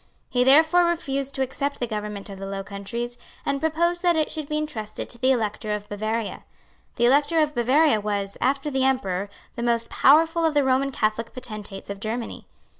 He therefore refused to accept the government of the Low Countries, and proposed that it should be entrusted to the Elector of Bavaria. The Elector of Bavaria was, after the Emperor, the most powerful of the Roman Catholic potentates of Germany.